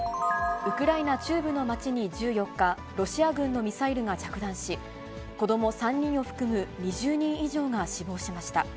ウクライナ中部の街に１４日、ロシア軍のミサイルが着弾し、子ども３人を含む２０人以上が死亡しました。